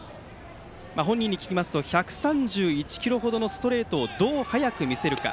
本人に聞きますと１３１キロほどのストレートをどう速く見せるか。